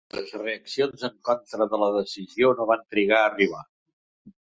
Les reaccions en contra de la decisió no van trigar a arribar.